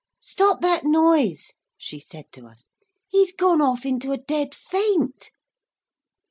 'Stop that noise,' she said to us, 'he's gone off into a dead faint.'